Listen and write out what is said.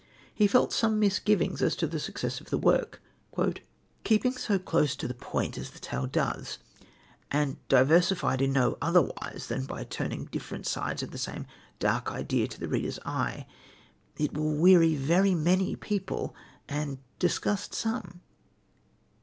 He felt some misgivings as to the success of the work: "Keeping so close to the point as the tale does, and diversified in no otherwise than by turning different sides of the same dark idea to the reader's eye, it will weary very many people and disgust some."